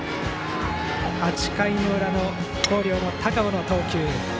８回の裏の広陵の高尾の投球。